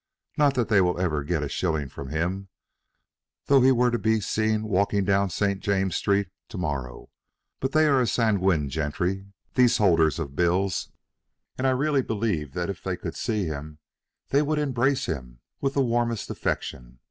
Not that they will ever get a shilling from him, though he were to be seen walking down St. James's Street to morrow. But they are a sanguine gentry, these holders of bills, and I really believe that if they could see him they would embrace him with the warmest affection.